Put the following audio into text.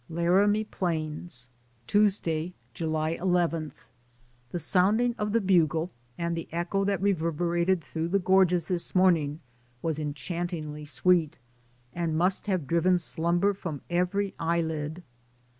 LARAMIE PLAINS. Tuesday, July ii. The sounding of the bugle and the echo that reverberated through the mountain gorges this morning was enchantingly sweet, and must have driven slumber from every eyelid.